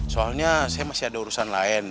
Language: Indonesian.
soalnya saya masih ada urusan lain